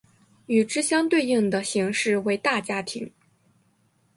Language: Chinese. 与之相对应的形式为大家庭。